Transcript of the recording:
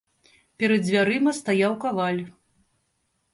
Перад дзвярыма стаяў каваль.